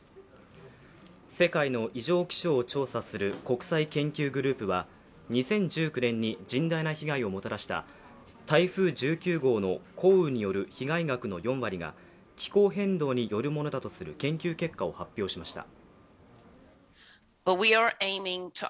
世界の異常気象を調査する国際研究グループは２０１９年に甚大な被害をもたらした台風１９号の降雨による被害額の４割が気候変動によるものだとする研究結果を発表しました。